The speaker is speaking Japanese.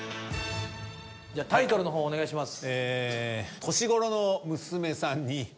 じゃタイトルの方をお願いします。